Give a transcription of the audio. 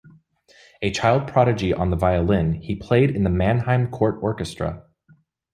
A child prodigy on the violin, he played in the Mannheim court orchestra.